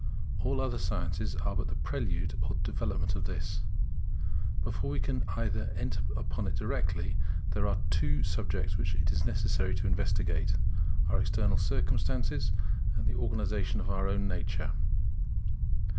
All other sciences are but the prelude or the development of this. Before we can enter upon it directly, there are two subjects which it is necessary to investigate; our external circumstances, and the organization of our own nature.